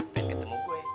pengen ketemu gue